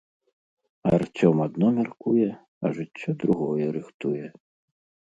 Арцём адно мяркуе, а жыццё другое рыхтуе.